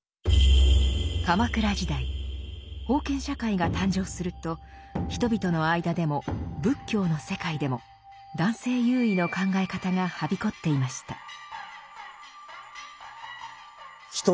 鎌倉時代封建社会が誕生すると人々の間でも仏教の世界でも男性優位の考え方がはびこっていました。